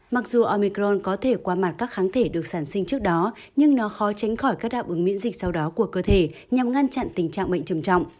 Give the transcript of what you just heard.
mặc dù omicron có thể qua mặt các kháng thể được sản sinh trước đó nhưng nó khó tránh khỏi các đạo ứng miễn dịch sau đó của cơ thể nhằm ngăn chặn tình trạng bệnh trầm trọng